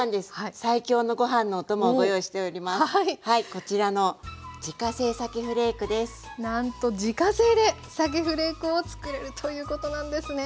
こちらのなんと自家製でさけフレークをつくれるということなんですね。